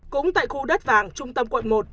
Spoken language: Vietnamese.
cũng tại khu đất vàng trung tâm quận một